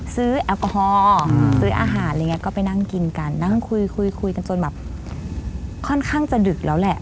แอลกอฮอล์ซื้ออาหารอะไรอย่างนี้ก็ไปนั่งกินกันนั่งคุยคุยคุยกันจนแบบค่อนข้างจะดึกแล้วแหละ